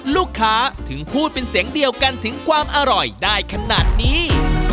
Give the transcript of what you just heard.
ลูกค้าถึงพูดเป็นเสียงเดียวกันถึงความอร่อยได้ขนาดนี้